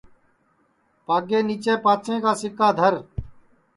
پاگے نیچے پانٚچے کا سِکا دھر